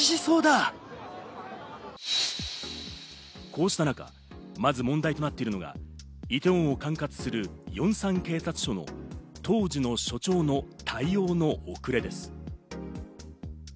こうした中、まず問題となっているのが、イテウォンを管轄する、ヨンサン警察署の当時の署長の対応の遅れです。